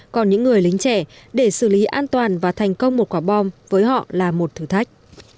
còn những người lính trẻ để xử lý an toàn và thành công một quả bom với họ là một thử thách